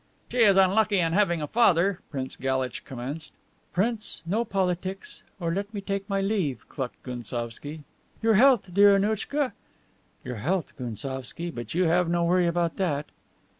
"She is unlucky in having a father..." Prince Galitch commenced. "Prince, no politics, or let me take my leave," clucked Gounsovski. "Your health, dear Annouchka." "Your health, Gounsovski. But you have no worry about that."